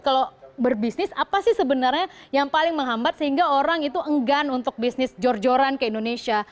kalau berbisnis apa sih sebenarnya yang paling menghambat sehingga orang itu enggan untuk bisnis jor joran ke indonesia